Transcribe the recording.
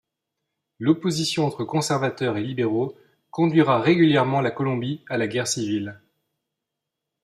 L'opposition entre conservateurs et libéraux conduira régulièrement la Colombie à la guerre civile.